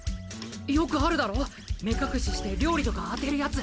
よくあるだろ目隠しして料理とか当てるやつ。